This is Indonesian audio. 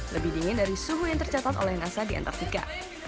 lebih dingin dari suhu yang tercatat oleh nasa di antartika